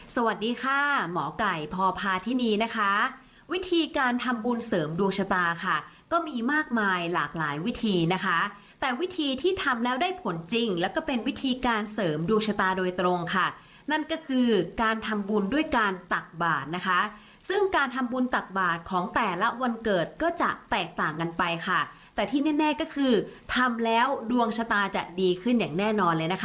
สวัสดีค่ะหมอไก่พอพาที่นี่นะคะวิธีการทำบุญเสริมดวงชะตาค่ะก็มีมากมายหลากหลายวิธีนะคะแต่วิธีที่ทำแล้วได้ผลจริงแล้วก็เป็นวิธีการเสริมดวงชะตาโดยตรงค่ะนั่นก็คือการทำบุญด้วยการตักบาทนะคะซึ่งการทำบุญตักบาทของแต่ละวันเกิดก็จะแตกต่างกันไปค่ะแต่ที่แน่ก็คือทำแล้วดวงชะตาจะดีขึ้นอย่างแน่นอนเลยนะคะ